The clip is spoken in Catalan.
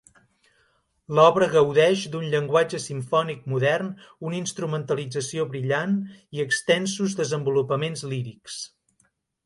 L'obra gaudeix d'un llenguatge simfònic modern, una instrumentació brillant i extensos desenvolupaments lírics.